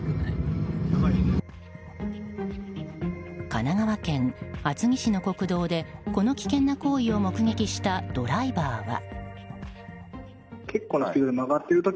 神奈川県厚木市の国道でこの危険な行為を目撃したドライバーは。